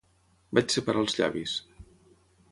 Vaig separar els llavis.